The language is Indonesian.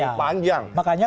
ya itu maksud saya